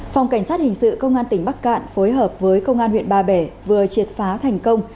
phòng cảnh sát hình sự công an tỉnh bắc cạn phối hợp với công an huyện ba bể vừa triệt phá thành công